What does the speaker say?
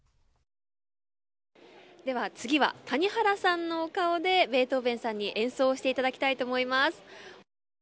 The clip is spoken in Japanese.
では次は谷原さんの顔でベートーベンさんに演奏してもらいたいと思います。